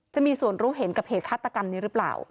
จะมีส่วนรู้เห็นกับเหตุฆาตกรรมนี้หรือเปล่า